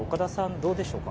どうでしょうか。